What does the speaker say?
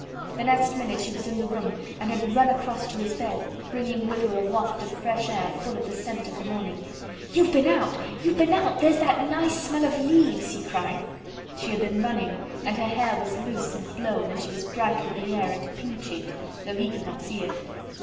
The next minute she was in the room and had run across to his bed, bringing with her a waft of fresh air full of the scent of the morning. "You've been out! You've been out! There's that nice smell of leaves!" he cried. She had been running and her hair was loose and blown and she was bright with the air and pink cheeked, though he could not see it.